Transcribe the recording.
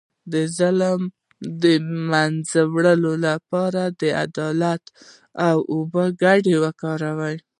د ظلم د مینځلو لپاره د عدالت او اوبو ګډول وکاروئ